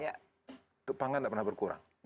untuk pangan tidak pernah berkurang